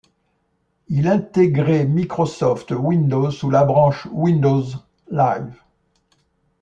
Il intégrait Microsoft Windows sous la branche Windows Live.